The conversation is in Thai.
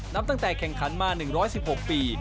นับตั้งแต่แข่งขันมา๑๑๖ปี